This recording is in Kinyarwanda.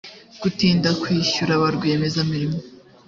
gutinda kwishyura ba rwiyemezamirimo